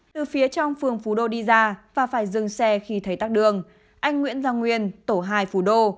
từ phía trong phường phú đô đi ra và phải dừng xe khi thấy tắc đường anh nguyễn giang nguyên tổ hai phú đô